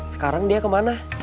sekarang dia kemana